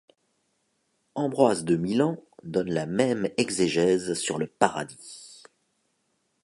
Ambroise de Milan donne la même exégèse sur le paradis.